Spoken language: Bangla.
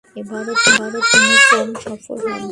এবারও তিনি কম সফল হন।